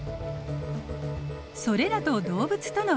それらと動物とのちがい。